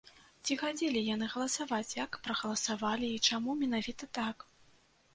Ці хадзілі яны галасаваць, як прагаласавалі і чаму менавіта так.